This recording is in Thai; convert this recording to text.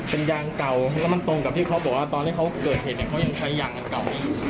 เป็นยางเก่าแล้วมันตรงกับที่เขาบอกว่าตอนที่เขาเกิดเหตุเนี่ยเขายังใช้ยางอันเก่านี้อยู่